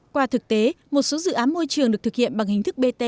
qua thực tế một số dự án môi trường được thực hiện bằng hình thức bt